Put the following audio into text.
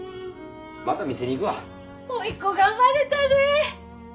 おいっ子が生まれたで！